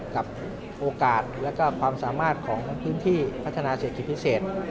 กับโอกาสและความสามารถของพื้นที่พัฒนาเศรษฐกิจพิเศษ